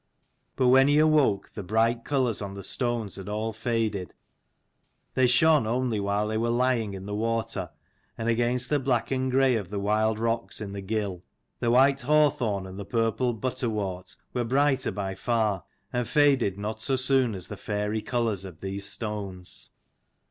But when he awoke, the bright colours on the stones had all faded: they shone only while they were lying in the water, and against the black and grey of the wild rocks in the gill. The white hawthorn and the purple butterwort were brighter by far, and faded not so soon as the fairy colours of 127 these stones.